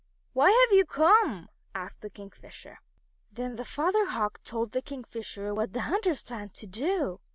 "Why have you come?" asked the Kingfisher. Then the Father Hawk told the Kingfisher what the hunters planned to do.